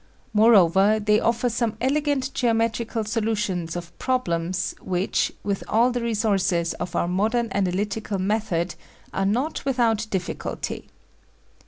Moreover, they offer some elegant geometrical solutions of problems which, with all the resources of our modern analytical method, are not without difficulty.